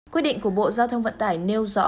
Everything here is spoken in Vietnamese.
quyết định của bộ giao thông vận tải nêu rõ